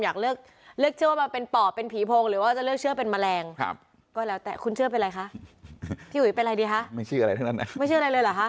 อยากเลือกแล้วเชื่อว่ามาเป็นเป่าเป็นผีพงหรือว่าจะเลือกเชื่อ